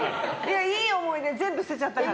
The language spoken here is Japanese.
いい思い出全部捨てちゃったから。